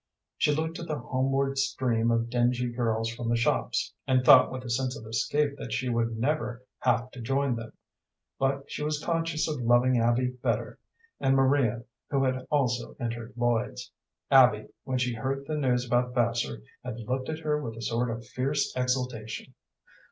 She looked at the homeward stream of dingy girls from the shops, and thought with a sense of escape that she would never have to join them; but she was conscious of loving Abby better, and Maria, who had also entered Lloyd's. Abby, when she heard the news about Vassar, had looked at her with a sort of fierce exultation.